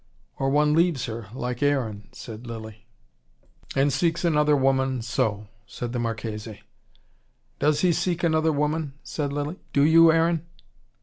"Or one leaves her, like Aaron," said Lilly. "And seeks another woman, so," said the Marchese. "Does he seek another woman?" said Lilly. "Do you, Aaron?"